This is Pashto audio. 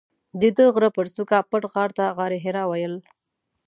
ددې غره پر څوکه پټ غار ته غارحرا ویل.